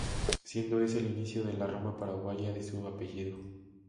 Siendo ese el inicio de la rama paraguaya de su apellido.